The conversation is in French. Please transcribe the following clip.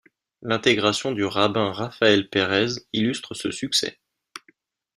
L’intégration du rabbin Raphaël Perez illustre ce succès.